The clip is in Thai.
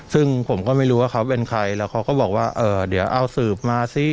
ซึ่งผมก็ไม่รู้ว่าเขาเป็นใครแล้วเขาก็บอกว่าเออเดี๋ยวเอาสืบมาซิ